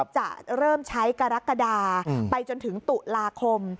จะเริ่มใช้กรกฎาไปจนถึงตุลาคม